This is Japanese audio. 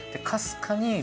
確かに。